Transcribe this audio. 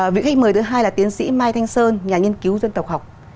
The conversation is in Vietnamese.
vị khách mời thứ hai là tiến sĩ mai thanh sơn nhà nghiên cứu dân tộc học